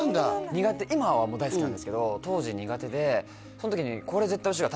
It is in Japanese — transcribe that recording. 苦手今は大好きなんですけど当時苦手でその時に「これ絶対おいしいから」